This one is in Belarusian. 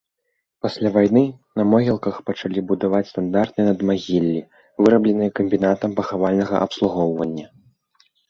Пасля вайны на могілках пачалі будаваць стандартныя надмагіллі, вырабленыя камбінатам пахавальнага абслугоўвання.